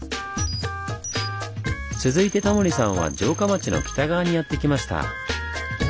続いてタモリさんは城下町の北側にやって来ました。